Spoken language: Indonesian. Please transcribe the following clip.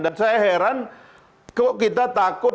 dan saya heran kok kita takut